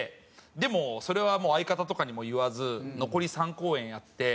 でもそれはもう相方とかにも言わず残り３公演やって。